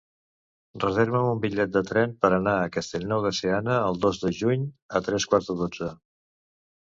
Reserva'm un bitllet de tren per anar a Castellnou de Seana el dos de juny a tres quarts de dotze.